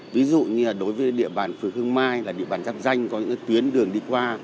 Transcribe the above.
ví dụ như là đối với địa bàn phường hương mai là địa bàn chấp danh có những cái tuyến đường đi qua